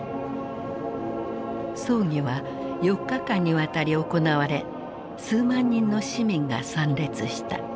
葬儀は４日間にわたり行われ数万人の市民が参列した。